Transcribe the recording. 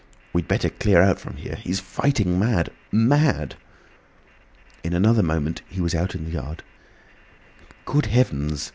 "We'd better clear out from here! He's fighting mad! Mad!" In another moment he was out in the yard. "Good heavens!"